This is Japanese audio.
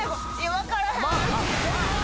分からへん。